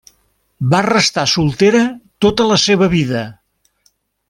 Va restar soltera tota la seva vida.